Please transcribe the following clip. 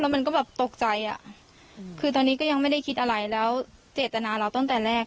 มันก็แบบตกใจอ่ะคือตอนนี้ก็ยังไม่ได้คิดอะไรแล้วเจตนาเราตั้งแต่แรก